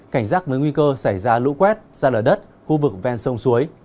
cảnh giác với nguy cơ xảy ra lũ quét ra lở đất khu vực ven sông suối